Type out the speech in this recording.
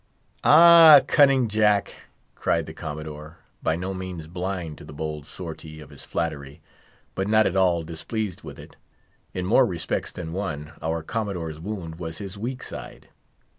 "Ah! cunning Jack!" cried the Commodore, by no means blind to the bold sortie of his flattery, but not at all displeased with it. In more respects than one, our Commodore's wound was his weak side.